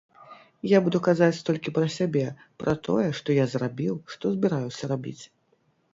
Я буду казаць толькі пра сябе, пра тое, што я зрабіў, што збіраюся рабіць.